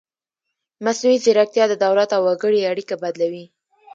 مصنوعي ځیرکتیا د دولت او وګړي اړیکه بدلوي.